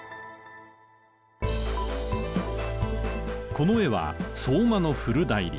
この絵は「相馬の古内裏」。